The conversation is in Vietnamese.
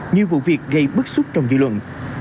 nhiều vụ việc gây bức xúc trong dư luận